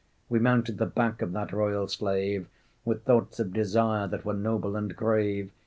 We mounted the back of that royal slave With thoughts of desire that were noble and grave.